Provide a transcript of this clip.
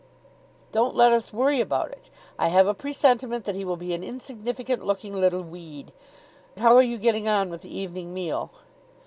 "Don't let us worry about it. I have a presentiment that he will be an insignificant looking little weed. How are you getting on with the evening meal?"